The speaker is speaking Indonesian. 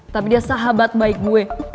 tapi dia sahabat baik gue